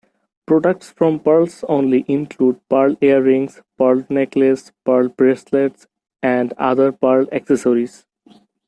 Products from PearlsOnly include pearl earrings, pearl necklace, pearl bracelets and other pearl accessories.